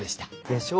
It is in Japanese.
でしょ？